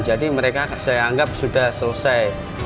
jadi mereka saya anggap sudah selesai